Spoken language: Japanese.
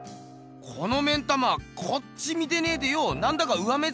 この目ん玉こっち見てねえでよなんだか上目づかいだな。